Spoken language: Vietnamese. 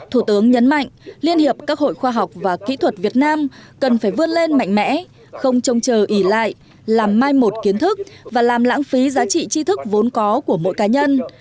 thủ tướng nhấn mạnh liên hiệp các hội khoa học và kỹ thuật việt nam cần phải vươn lên mạnh mẽ không trông chờ ỉ lại làm mai một kiến thức và làm lãng phí giá trị chi thức vốn có của mỗi cá nhân